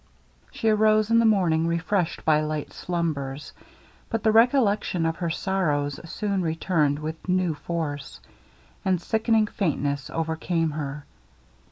She arose in the morning refreshed by light slumbers; but the recollection of her sorrows soon returned with new force, and sickening faintness overcame her.